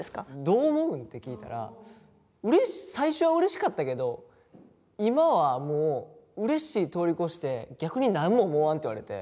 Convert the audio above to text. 「どう思うん？」って聞いたら最初はうれしかったけど今はもううれしい通り越して逆に何も思わんって言われて。